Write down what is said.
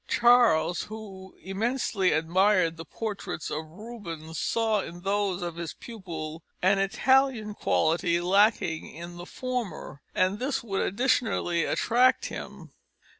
Charles, who immensely admired the portraits of Rubens, saw in those of his pupil an Italian quality lacking in the former, and this would additionally attract him.